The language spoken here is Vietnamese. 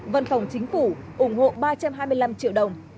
văn phòng chính phủ ủng hộ ba trăm hai mươi năm triệu đồng